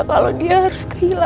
kalau dia tidak bisa menerima